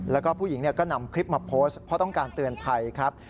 แล้วก็ผู้หญิงก็นำคลิปมาโพสต์เพราะต้องการเตือนภัยครับ